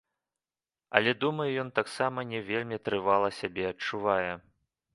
Але, думаю, ён таксама не вельмі трывала сябе адчувае.